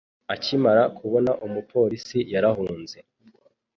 Akimara kubona umupolisi, yarahunze.